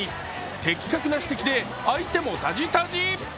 的確な指摘で相手もたじたじ。